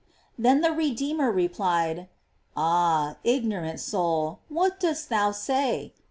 Then the Redeemer replied: "Ah! ignorant soul, what dost thou say?